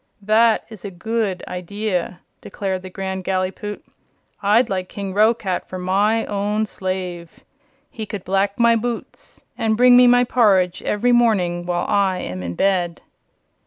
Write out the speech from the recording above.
"That is a good idea," declared the Grand Gallipoot. "I'd like King Roquat for my own slave. He could black my boots and bring me my porridge every morning while I am in bed."